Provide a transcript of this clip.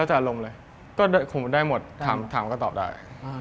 จะอารมณ์เลยก็คุมได้หมดถามก็ตอบได้